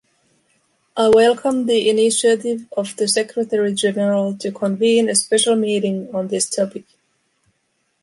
I welcome the initiative of the Secretary General to convene a special meeting on this topic.